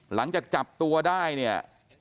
หลังจากจับตัวได้เนี่ย